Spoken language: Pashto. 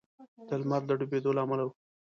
د لمر د ډبېدو له امله و.